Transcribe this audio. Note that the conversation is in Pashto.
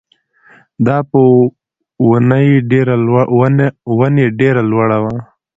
دا په ونې ډېره لوړه وه.